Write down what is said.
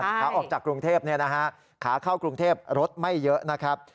ขาออกจากกรุงเทพขาเข้ากรุงเทพรถไม่เยอะนะครับ